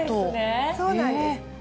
そうなんです。